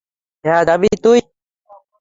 হ্যাঁ, যাবি তুই।